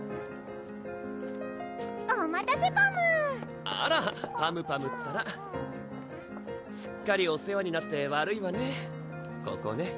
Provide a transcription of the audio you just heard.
お待たせパムあらパムパムったらすっかりお世話になって悪いわね